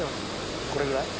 これぐらい？